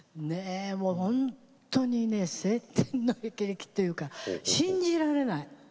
本当に青天のへきれきというか信じられない。